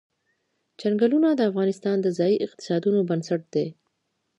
چنګلونه د افغانستان د ځایي اقتصادونو بنسټ دی.